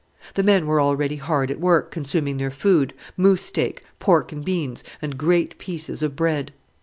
The men were already hard at work, consuming their food moose steak, pork and beans, and great pieces of bread.